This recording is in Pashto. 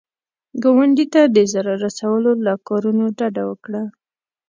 ګاونډي ته د ضرر رسولو له کارونو ډډه وکړه